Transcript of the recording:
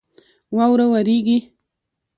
واوره رېږي.